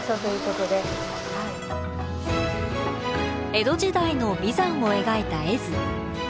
江戸時代の眉山を描いた絵図。